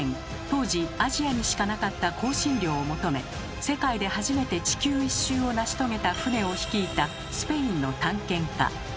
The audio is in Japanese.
当時アジアにしかなかった香辛料を求め世界で初めて地球一周を成し遂げた船を率いたスペインの探検家。